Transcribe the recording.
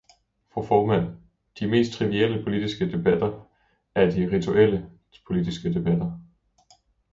Fru formand, de mest trivielle politiske debatter er de rituelle politiske debatter.